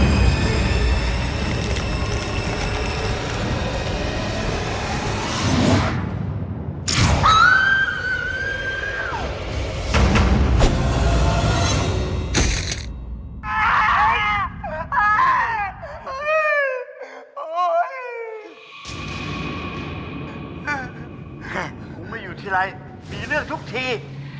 แม่กูไม่อยู่ทีไรมีเรื่องทุกที